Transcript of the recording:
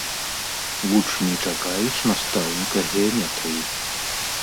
Вучні чакаюць настаўніка геаметрыі.